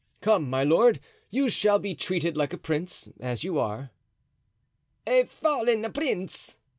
Come, my lord, you shall be treated like a prince, as you are." "A fallen prince!"